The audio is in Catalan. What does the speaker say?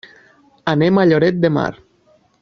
Anem a Lloret de Mar.